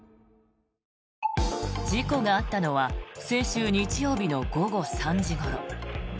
事故があったのは先週日曜日の午後３時ごろ。